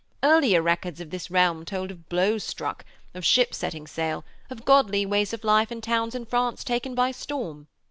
Earlier records of this realm told of blows struck, of ships setting sail, of godly ways of life and of towns in France taken by storm.